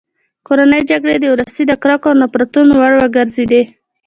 کورنۍ جګړې د ولس د کرکو او نفرتونو وړ وګرځېدې.